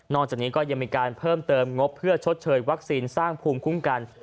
จากนี้ก็ยังมีการเพิ่มเติมงบเพื่อชดเชยวัคซีนสร้างภูมิคุ้มกัน